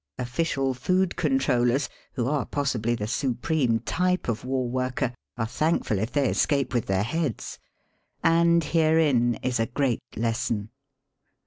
Official food*cont rollers, who are possibly the supreme type of war worker, are thankful if they escape with their heads. And herein is a great lesson.